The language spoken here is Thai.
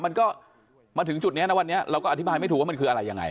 มันก็มาถึงจุดนี้นะวันนี้เราก็อธิบายไม่ถูกว่ามันคืออะไรยังไง